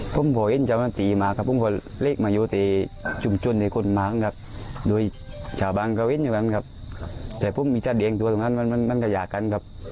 ถึงที่นี่งั้นได้พบใหม่เลขฯครับ